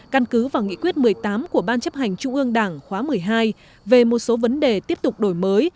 căn cứ vào nghị quyết một mươi tám của ban chấp hành trung ương đảng khóa một mươi hai về một số vấn đề tiếp tục đổi mới